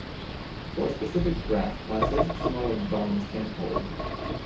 For specific graph classes, smaller bounds can hold.